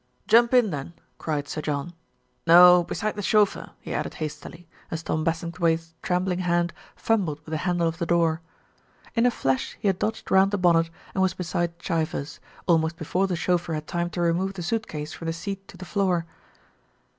"Jump in then," cried Sir John. "No, beside, the chauffeur," he added hastily, as Tom Bassing thwaighte's trembling hand fumbled with the handle of the door. In a flash he had dodged round the bonnet and was beside Chivers, almost before the chauffeur had time to remove the suit case from the seat to the floor.